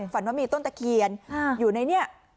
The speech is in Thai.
ฝันว่ามีต้นตะเคียนอยู่ในนี้